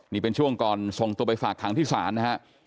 นี่เป็นช่วงก่อนส่งตัวไปฝากขังที่ศาลนะฮะ